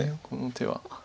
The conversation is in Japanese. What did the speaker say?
この手は。